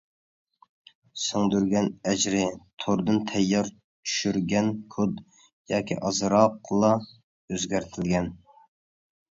سىڭدۈرگەن ئەجرى: توردىن تەييار چۈشۈرگەن كود ياكى ئازراقلا ئۆزگەرتىلگەن.